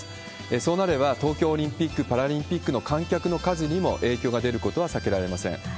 そうなれば、東京オリンピック・パラリンピックの観客の数にも影響が出ることは避けられません。